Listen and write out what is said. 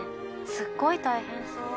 すっごい大変そう。